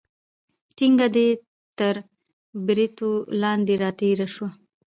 ټنګه دې تر بریتو لاندې راتېره شوه.